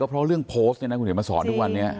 เพราะเรื่องโพสต์คุณเดียวมาสอนทุกวันนี้